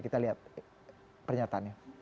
kita lihat pernyatanya